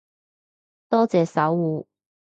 多謝守護